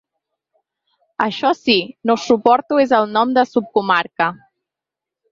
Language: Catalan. Això sí, no suporto és el nom de ‘subcomarca’.